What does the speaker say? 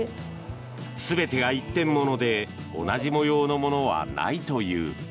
全てが一点物で同じ模様のものはないという。